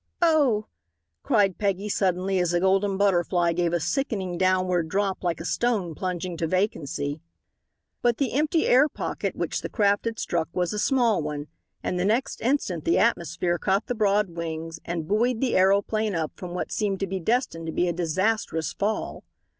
"Oh!" cried Peggy suddenly as the Golden Butterfly gave a sickening downward drop like a stone plunging to vacancy. But the empty "air pocket" which the craft had struck was a small one, and the next instant the atmosphere caught the broad wings and buoyed the aeroplane up from what seemed to be destined to be a disastrous fall.